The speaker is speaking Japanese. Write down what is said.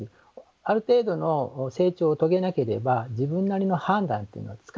ある程度の成長を遂げなければ自分なりの判断っていうのはつかないと思います。